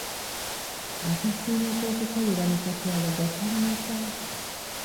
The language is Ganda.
Akasiimo k'okukolera mu katyabaga ka mmeka?